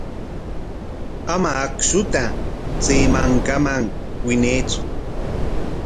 Ama akshuta chay mankaman winaytsu.